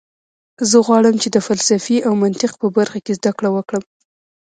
زه غواړم چې د فلسفې او منطق په برخه کې زده کړه وکړم